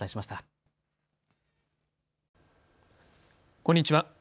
こんにちは。